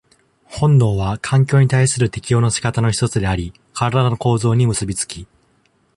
本能は環境に対する適応の仕方の一つであり、身体の構造に結び付き、